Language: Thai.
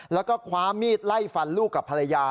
แล้วก็คว้ามีดไล่ฟันลูกกับภรรยา